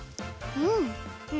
うん！